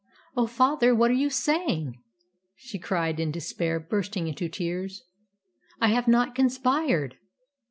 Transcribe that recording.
"Oh, father, what are you saying?" she cried in despair, bursting into tears. "I have not conspired."